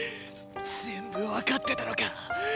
全部分かってたのか！